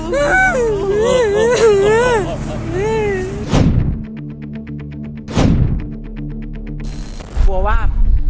กลัวว่า